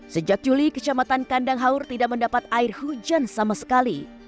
sejak juli kecamatan kandang haur tidak mendapat air hujan sama sekali